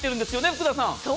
福田さん。